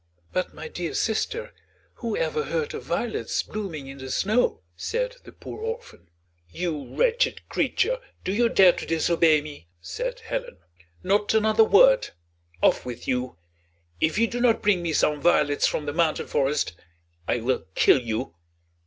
"But, my dear sister, who ever heard of violets blooming in the snow?" said the poor orphan. "You wretched creature! Do you dare to disobey me?" said Helen. "Not another word; off with you. If you do not bring me some violets from the mountain forest, I will kill you."